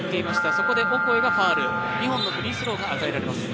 そこでオコエがファウル２本のフリースローが与えられます